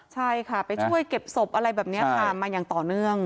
ใช่ค่ะไปช่วยเก็บศพอะไรแบบนี้ค่ะมาอย่างต่อเนื่อง